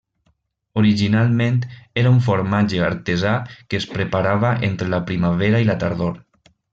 Originalment era un formatge artesà que es preparava entre la primavera i la tardor.